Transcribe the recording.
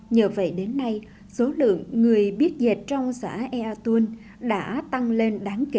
nhờ vậy đến nay số lượng người biết dệt trong xã ea tôn đã tăng lên đáng kể